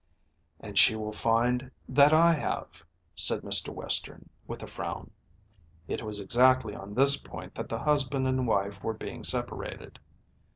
"And she will find that I have," said Mr. Western with a frown. It was exactly on this point that the husband and wife were being separated.